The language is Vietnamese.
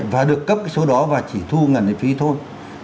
và được cấp cái số đó và chỉ thu ngàn đề phí thôi